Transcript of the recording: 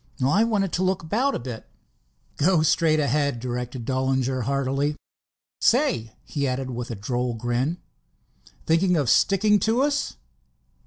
"I wanted to look about a bit." "Go straight ahead," directed Dollinger heartily. "Say," he added, with a droll grin, "thinking of sticking to us?"